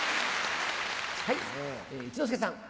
はい一之輔さん。